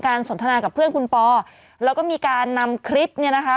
สนทนากับเพื่อนคุณปอแล้วก็มีการนำคลิปเนี่ยนะคะ